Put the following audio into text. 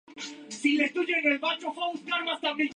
Esta premisa es falsa.